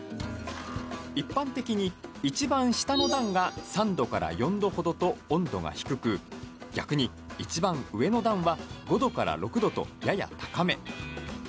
一般的に、いちばん下の段が３度から４度ほどと温度が低く逆に、いちばん上の段は５度から６度と、やや高め。